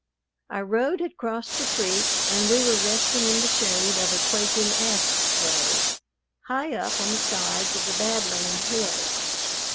Our road had crossed the creek, and we were resting in the shade of a quaking asp grove, high up on the sides of the Bad Land hills.